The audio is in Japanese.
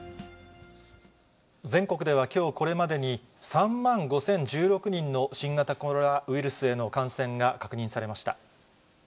全国ではきょうこれまでに、３万５０１６人の新型コロナウイルスへの感染が確認されました。